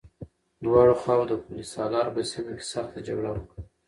دواړو خواوو د پل سالار په سيمه کې سخته جګړه وکړه.